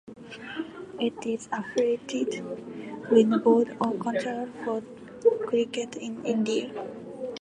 It is affiliated with the Board of Control for Cricket in India.